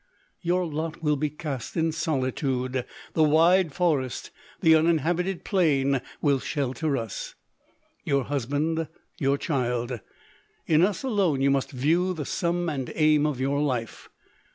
Your lot will be cast in solitude. The wide forest, the uninhabited plain, will shelter us. Your husband, your child ; in us alone you must view the sum and aim of your life.